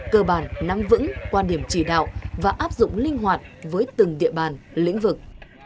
cơ bản nắm vững quan điểm chỉ đạo và áp dụng linh hoạt với từng địa bàn lĩnh vực